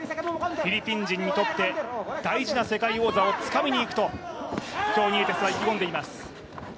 フィリピン人にとって大事な世界王座をつかみにいくと今日、ニエテスは意気込んでいます